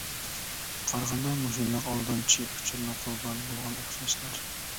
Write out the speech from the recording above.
قارىغاندا مۇشۇنداق ئالدامچى ئۇچۇرنىڭ قۇربانى بولغان ئوخشايسىلەر.